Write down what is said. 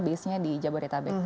base nya di jabodetabek